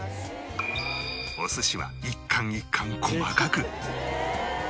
お寿司は一貫一貫細かく